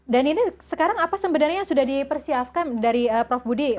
dan ini sekarang apa sebenarnya yang sudah dipersiapkan dari prof budi